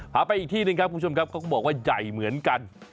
ไปอีกที่หนึ่งครับคุณผู้ชมครับเขาก็บอกว่าใหญ่เหมือนกัน